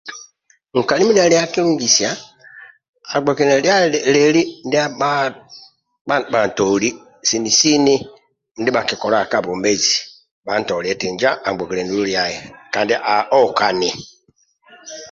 Nkali mindia ali kilungisa agbokiliani lia lieli ndia bha bhantoli sini sini ndibha akikolaga ka bwomezi bantolie eti injo ogbokiliani ndlu liai toli okanie